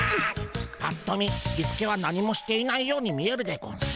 ぱっと見キスケは何もしていないように見えるでゴンスが。